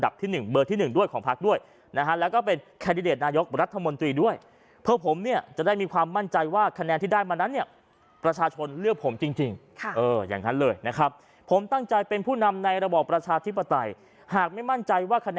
บอกตัวเองว่ามาจากการเลือกของประชาชน